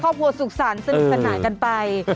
ครอบครัวสุขสรรสนุกสนานกันไป